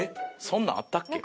そんなんあったっけ？